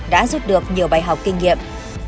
đã giúp được nhiều bài học kinh nghiệm